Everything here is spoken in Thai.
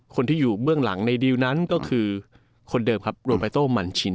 คนที่อยู่เบื้องหลังในดีลนั้นก็คือคนเดิมครับโรปาโต้มันชิน